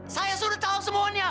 saya sudah tahu semuanya